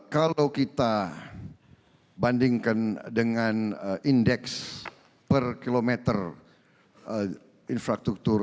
kalau kita bandingkan dengan indeks per kilometer infrastruktur